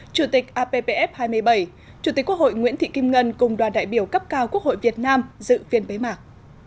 chủ tịch appf hai mươi bảy chủ tịch quốc hội nguyễn thị kim ngân cùng đoàn đại biểu cấp cao quốc hội việt nam dự phiên bế mạc